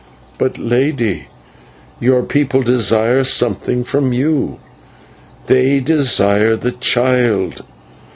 "But, Lady, your people desire something from you; they desire the child.